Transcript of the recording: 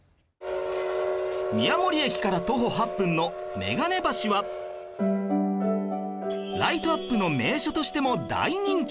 宮守駅から徒歩８分のめがね橋はライトアップの名所としても大人気